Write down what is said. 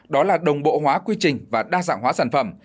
đó là đồng bộ hóa quy trình và đa dạng hóa sản phẩm